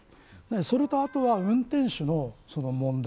それと、あとは運転手の問題。